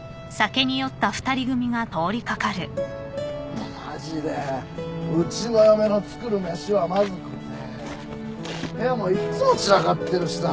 ・もうマジでうちの嫁の作る飯はまずくて部屋もいっつも散らかってるしさ。